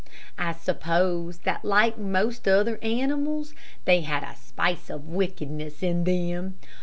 I suppose that like most other animals they had a spice of wickedness in them.